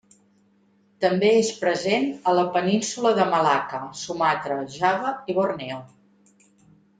També és present a la Península de Malacca, Sumatra, Java i Borneo.